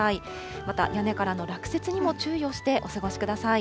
また、屋根からの落雪にも注意をしてお過ごしください。